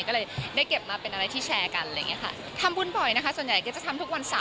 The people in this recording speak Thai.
ก็เลยได้เก็บมาเป็นอะไรที่แชร์กัน